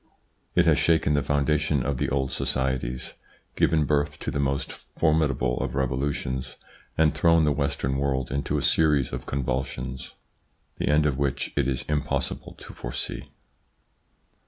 It has shaken the foundation of the old societies, given birth to the most formidable of revolutions, and thrown the Western world into a series of convulsions, the end of which it is impossible to foresee.